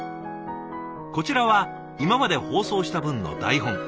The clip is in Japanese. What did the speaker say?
こちらは今まで放送した分の台本。